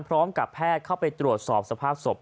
พร้อมกับแพทย์เข้าไปตรวจสอบสภาพศพ